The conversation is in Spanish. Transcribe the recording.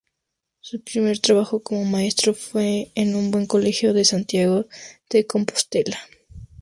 Su primer trabajo como maestro fue en un buen colegio de Santiago de Compostela.